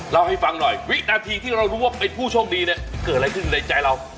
เล่าให้ฟังหน่อยวินาทีที่เรารู้ว่าเป็นผู้โชคดีเนี่ยเกิดอะไรขึ้นในใจเรา